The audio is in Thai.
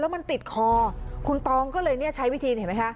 มันติดคอคุณตองก็เลยใช้วิธี